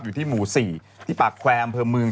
อยู่ที่หมู่ศรีปากแหวมพระเมิง